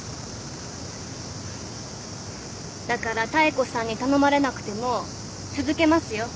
だから妙子さんに頼まれなくても続けますよ